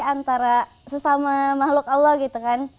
antara sesama mahluk allah gitu kan